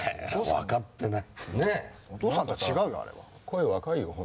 分かってない。